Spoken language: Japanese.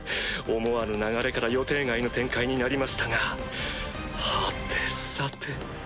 思わぬ流れから予定外の展開になりましたがはてさて。